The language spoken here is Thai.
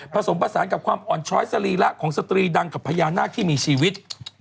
ผสมผสานกับความอ่อนช้อยสรีระของสตรีดังกับพญานาคที่มีชีวิต